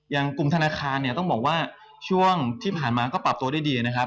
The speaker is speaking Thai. อย่างกลุ่มธนาคารเนี่ยต้องบอกว่าช่วงที่ผ่านมาก็ปรับตัวได้ดีนะครับ